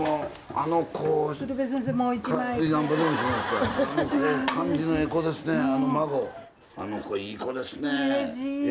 あの子いい子ですねえ。